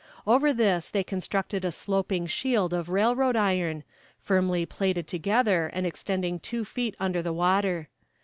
Over this they constructed a sloping shield of railroad iron, firmly plaited together, and extending two feet under the water.